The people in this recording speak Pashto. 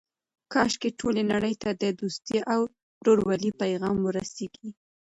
کاشکې ټولې نړۍ ته د دوستۍ او ورورولۍ پیغام ورسیږي.